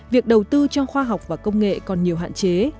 việc đầu tư cho khoa học và công nghệ còn nhiều hạn chế